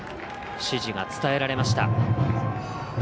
指示が伝えられました。